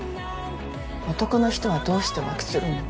男の人はどうして浮気するの？